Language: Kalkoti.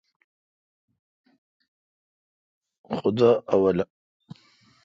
خدا اولو۔